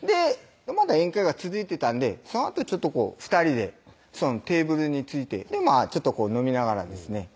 まだ宴会が続いてたんでそのあと２人でテーブルに着いてちょっと飲みながらですね